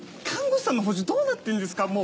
看護師さんの補充どうなってるんですか！？